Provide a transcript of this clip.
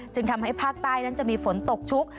ทำให้ภาคใต้นั้นจะมีฝนตกชุก